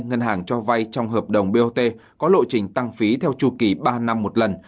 ngân hàng cho vay trong hợp đồng bot có lộ trình tăng phí theo chu kỳ ba năm một lần